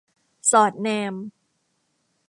สอดแนม